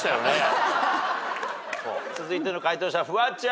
続いての解答者フワちゃん。